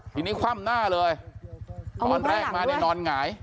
ทีนี้คว่ำหน้าเลยเอามือไฟหลังด้วยตอนแรกมาในนอนหงาย